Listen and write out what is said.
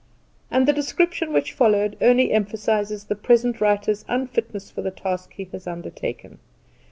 And the description which follows only emphasises the present writer's unfitness for the task he has undertaken.